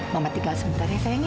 mama tinggal sebentar ya sayangnya